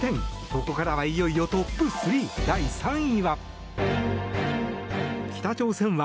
ここからはいよいよトップ３第３位は。